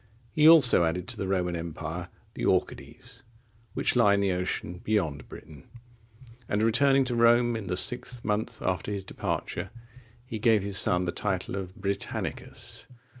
He also added to the Roman empire the Orcades,(39) which lie in the ocean beyond Britain, and, returning to Rome in the sixth month after his departure, he gave his son the title of Britannicus.